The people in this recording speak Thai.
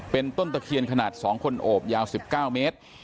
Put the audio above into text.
เป็นต้นตะเคียนขนาด๒คนโอบยาว๑๙เมตร